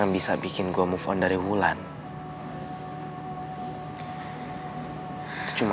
gue sama tika itu gak ada hubungan apa apa